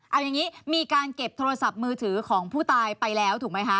เอาอย่างนี้มีการเก็บโทรศัพท์มือถือของผู้ตายไปแล้วถูกไหมคะ